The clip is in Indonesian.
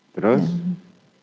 terus suami saya sampaikan bahwa